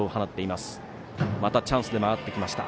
またチャンスで回ってきました。